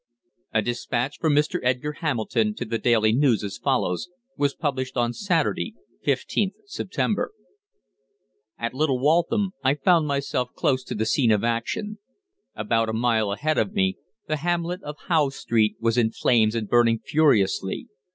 A despatch from Mr. Edgar Hamilton to the "Daily News," as follows, was published on Saturday, 15th September: "At Little Waltham I found myself close to the scene of action. About a mile ahead of me the hamlet of Howe Street was in flames and burning furiously.